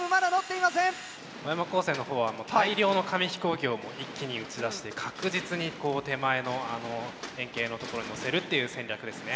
小山高専の方は大量の紙飛行機を一気に撃ち出して確実に手前の円形の所にのせるっていう戦略ですね。